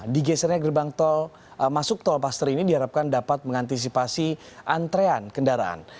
digesernya gerbang tol masuk tol paster ini diharapkan dapat mengantisipasi antrean kendaraan